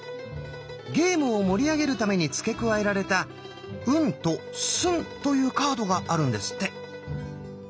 ゲームを盛り上げるために付け加えられた「ウン」と「スン」というカードがあるんですって！